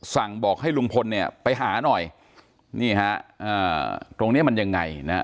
สั่งบอกให้ลุงพลเนี่ยไปหาหน่อยนี่ฮะอ่าตรงเนี้ยมันยังไงนะฮะ